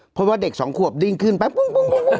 เพราะว่าเด็ก๒ควบดิ้งขึ้นไปปุ้ง